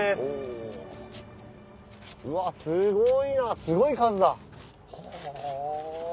うわすごいなすごい数だ。